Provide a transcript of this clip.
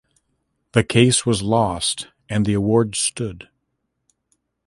The case was lost and the award stood.